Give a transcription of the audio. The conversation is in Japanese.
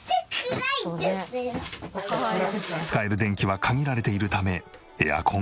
使える電気は限られているためエアコンがない。